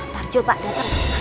tarjo pak datang